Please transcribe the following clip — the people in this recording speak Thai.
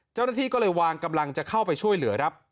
เจ้าหน้าที่ก็เลยวางกำลังจะเข้าไปช่วยเหลือครับ